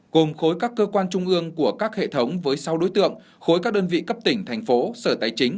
gồm khối các cơ quan trung ương của các hệ thống với sáu đối tượng khối các đơn vị cấp tỉnh thành phố sở tài chính